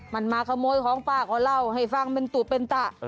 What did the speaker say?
มันมาขโมยของป้าก็เล่าให้ฟังเป็นตุเป็นตะ